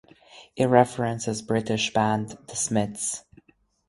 It references British band The Smiths.